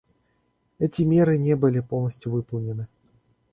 Эти меры не были полностью выполнены.